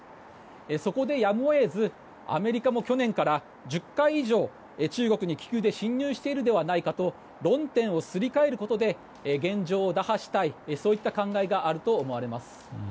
そこでやむを得ずアメリカも去年から１０回以上中国に気球で侵入しているではないかと論点をすり替えることで現状を打破したいそういった考えがあると思います。